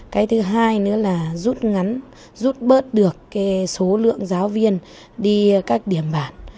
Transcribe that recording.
cái thứ hai nữa là rút ngắn rút bớt được số lượng giáo viên đi các điểm bản